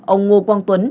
hai ông ngô quang tuấn